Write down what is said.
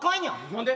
何で？